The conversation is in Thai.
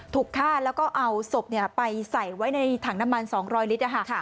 ถูกฆ่าแล้วก็เอาศพไปใส่ไว้ในถังน้ำมัน๒๐๐ลิตร